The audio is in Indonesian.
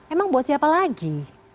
emang buat siapa lagi